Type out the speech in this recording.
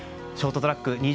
ショートトラック